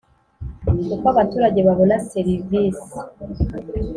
Uko abaturage babona serivisi.